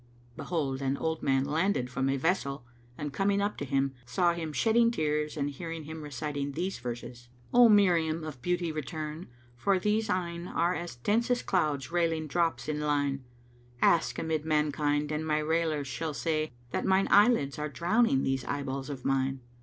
behold, an old man landed from a vessel and coming up to him, saw him shedding tears and heard him reciting these verses, "O Maryam of beauty[FN#507] return, for these eyne * Are as densest clouds railing drops in line: Ask amid mankind and my railers shall say * That mine eyelids are drowning these eyeballs of mine."